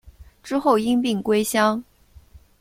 之后因病归乡。